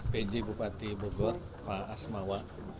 pj bupati bogor pak asmawa